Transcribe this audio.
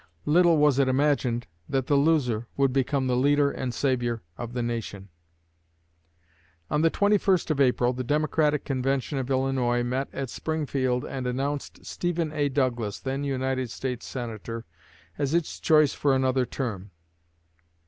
Little was it imagined that the loser would become the leader and savior of the Nation. On the 21st of April the Democratic convention of Illinois met at Springfield and announced Stephen A. Douglas, then United States Senator, as its choice for another term.